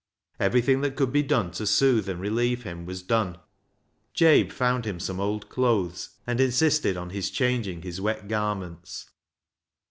Everything that could be done to soothe and relieve him was done. Jabe found him some old clothes, and insisted on his changing his wet garments.